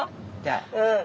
うん。